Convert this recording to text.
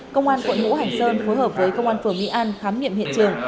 công an quận ngũ hành sơn phối hợp với công an phường mỹ an khám nghiệm hiện trường